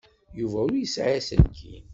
Yuba ur yesɛi aselkim.